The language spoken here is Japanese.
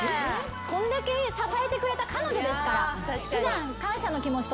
こんだけ支えてくれた彼女ですから。